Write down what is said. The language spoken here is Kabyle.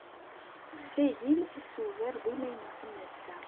Tessagel isubar d imaynuten ass-a.